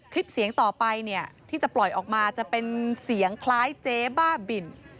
คลิปเสียงต่อไปเนี่ยที่จะปล่อยออกมาจะเป็นเสียงคล้ายเจ๊บ้าบิน